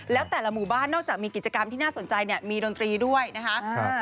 แล้วแต่ละหมู่บ้านนอกจากมีกิจกรรมที่น่าสนใจเนี่ยมีดนตรีด้วยนะคะ